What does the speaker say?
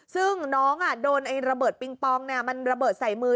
ซึ่งน้องอ่ะโดนไอ้ระเบิดปิงป๊องน่ะมันระเบิดใส่มือ